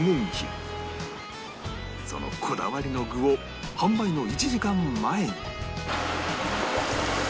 そのこだわりの具を販売の１時間前に